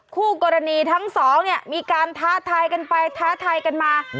คู่กรณีทั้งสองเนี่ยมีการท้าทายกันไปท้าทายกันมา